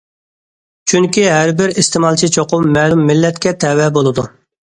چۈنكى ھەربىر ئىستېمالچى چوقۇم مەلۇم مىللەتكە تەۋە بولىدۇ.